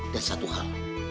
dan satu hal